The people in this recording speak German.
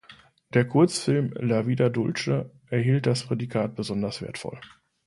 Der Kurzfilm "La Vida Dulce" erhielt das Prädikat „besonders wertvoll“.